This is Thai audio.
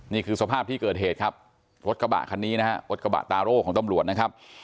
นี่คือสภาพที่เกิดเหตุครับรถกระบะคันนี้นะฮะรถกระบะตาโร่ของตำรวจนะครับ